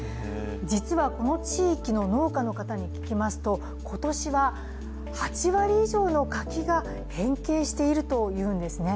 実はこの地域の農家の方に聞きますと、今年は８割以上の柿が変形しているというんですね。